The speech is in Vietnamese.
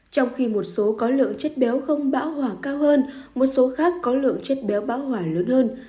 trong khi một số có lượng chất béo không bão hỏa cao hơn một số khác có lượng chất béo bão hỏa lớn hơn